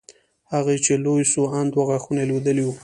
هغه چې لوى سو ان دوه غاښونه يې لوېدلي وو.